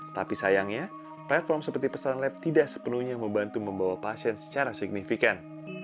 tapi sayangnya platform seperti pesan lab tidak sepenuhnya membantu membawa pasien secara signifikan